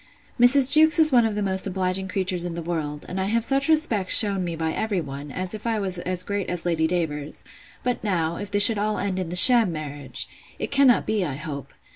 Mrs. Jewkes is one of the most obliging creatures in the world; and I have such respects shewn me by every one, as if I was as great as Lady Davers—But now, if this should all end in the sham marriage!—It cannot be, I hope.